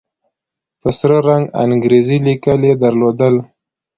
په سره رنگ انګريزي ليکل يې درلودل.